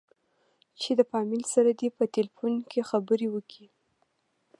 چې د فاميل سره دې په ټېلفون کښې خبرې وکې.